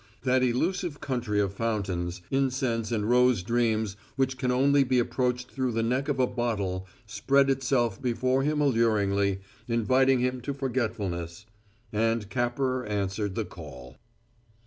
That elusive country of fountains, incense and rose dreams which can only be approached through the neck of a bottle spread itself before him alluringly, inviting him to forgetfulness. And Capper answered the call.